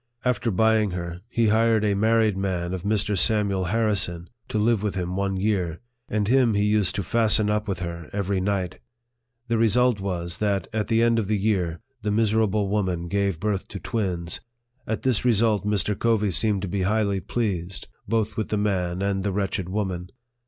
After buying her, he hired a married man of Mr. Samuel Harrison, to live with him one year ; and him he used to fasten up with her every night ! The result was, that, at the end of the year, the miserable woman gave LIFE OF FREDERICK DOtlGLASS. 63 birth to twins. At this result Mr. Covey seemed to be highly pleased, both with the man and the wretched woman.